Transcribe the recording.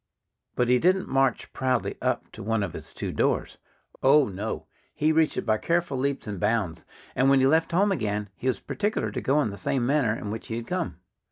But he didn't march proudly up to one of his two doors. Oh, no! He reached it by careful leaps and bounds. And when he left home again he was particular to go in the same manner in which he had come.